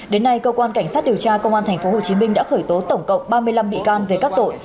đến nay cơ quan cảnh sát điều tra công an tp hcm đã khởi tố tổng cộng ba mươi năm bị can về các tội